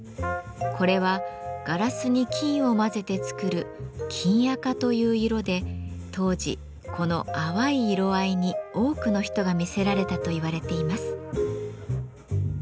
これはガラスに金を混ぜて作る「金赤」という色で当時この淡い色合いに多くの人が魅せられたといわれています。